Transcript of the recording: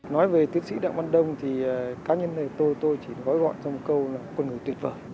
nói về tiến sĩ đặng văn đông thì cá nhân này tôi chỉ gói gọi trong một câu là con người tuyệt vời